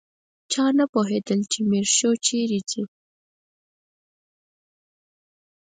چا نه پوهېدل چې میرشو چیرې ځي.